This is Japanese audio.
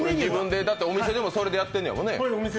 お店でも、それでやってるんだもんね？